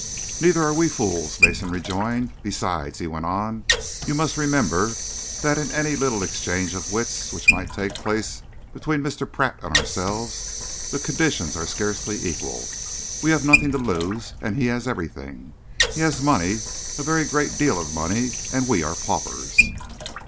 "Neither are we fools," Mason rejoined. "Besides," he went on, "you must remember that in any little exchange of wits which might take place between Mr. Pratt and ourselves, the conditions are scarcely equal. We have nothing to lose and he has everything. He has money a very great deal of money and we are paupers."